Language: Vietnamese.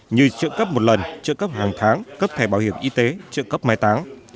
như trợ cấp một lần trợ cấp hàng tháng cấp thẻ bảo hiểm y tế trợ cấp mai táng